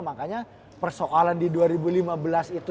makanya persoalan di dua ribu lima belas itu